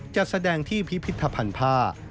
จะแสดงที่พิพิธภัณฑ์ภาคม